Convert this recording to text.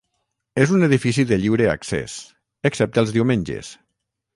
És un edifici de lliure accés, excepte els diumenges.